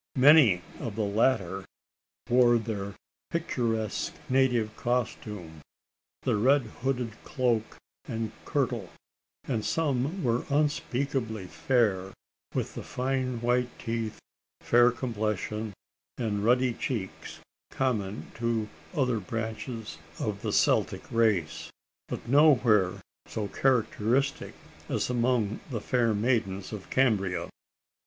Many of the latter wore their picturesque native costume the red hooded cloak and kirtle; and some were unspeakably fair, with the fine white teeth, fair complexion, and ruddy cheeks, common to other branches of the Celtic race, but nowhere so characteristic as among the fair maidens of Cambria.